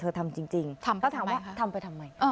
เธอทำจริงจริงทำไปทำไมคะทำไปทำไมอ้อ